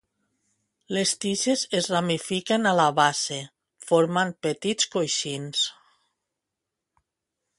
Les tiges es ramifiquen a la base, formant petits coixins.